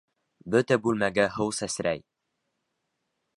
Бөтә бүлмәгә һыу сәсрәй.